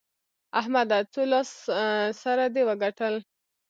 احمده! څو لاس سره دې وګټل؟